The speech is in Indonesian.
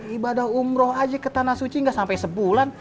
ibadah umroh aja ke tanah suci nggak sampai sebulan